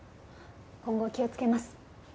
今後気をつけます。